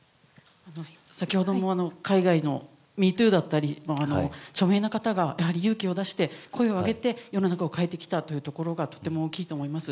先ほども海外のミートゥーだったり著名な方がやはり勇気を出して、声を上げて世の中を変えてきたというところがとても大きいと思います。